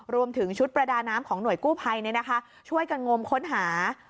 รวมถึงชุดประดาน้ำของหน่วยกู้ภัยช่วยกันงมค้นหา